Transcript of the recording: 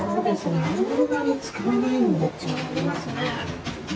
あんまり使わないんでっていうのがありますね。